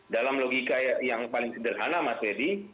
dalam logika yang paling sederhana mas ferdi